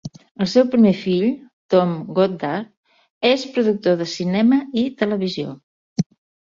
El seu primer fill, Thom Goddard, és productor de cinema i televisió.